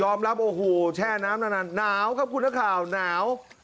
รับโอ้โหแช่น้ำนานหนาวครับคุณนักข่าวหนาว